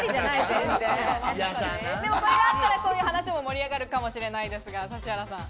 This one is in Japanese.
でもそれがあったら、そういう話も盛り上がるかもしれないですが、指原さん。